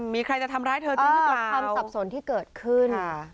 มีใครจะทำร้ายเธอจริงหรือเปล่าความสับสนที่เกิดขึ้น